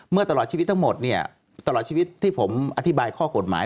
ตลอดชีวิตทั้งหมดเนี่ยตลอดชีวิตที่ผมอธิบายข้อกฎหมาย